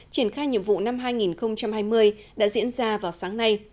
triển khai nhiệm vụ năm hai nghìn hai mươi đã diễn ra vào sáng nay